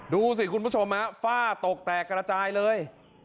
ดูสิคุณผู้ชมฮะฝ้าตกแตกกระจายเลย